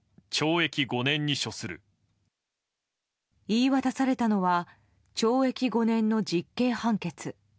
言い渡されたのは懲役５年の実刑判決。